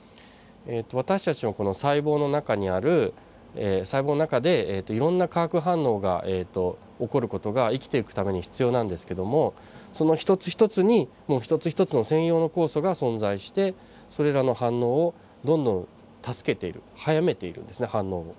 私たちのこの細胞の中にある細胞の中でいろんな化学反応が起こる事が生きていくために必要なんですけどもその一つ一つにもう一つ一つの専用の酵素が存在してそれらの反応をどんどん助けている早めているんですね反応を。